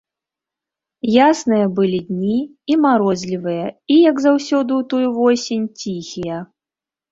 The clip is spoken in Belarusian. Ясныя былі дні, і марозлівыя, і, як заўсёды ў тую восень, ціхія.